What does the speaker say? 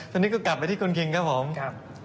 ตรงนี้ก็กลับไปที่คุณคลิกสำนักงานครู